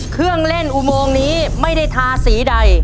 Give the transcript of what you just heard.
เครื่องเล่นอุโมงนี้ไม่ได้ทาสีใด